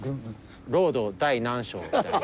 『ロード第何章』みたいな。